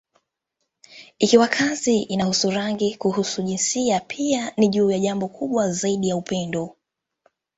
Ikiwa kazi inahusu rangi, kuhusu jinsia, pia ni juu ya jambo kubwa zaidi: upendo.